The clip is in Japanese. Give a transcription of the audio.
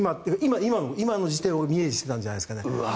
今の時点をイメージしていたんじゃないですかね。